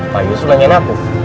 pak yusuf nanyain aku